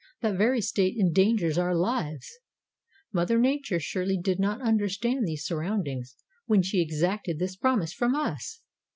That very state endangers our lives. Mother Nature surely did not understand these surroundings when she exacted this promise from us!